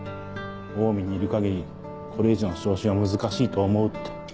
オウミにいる限りこれ以上の昇進は難しいと思うって。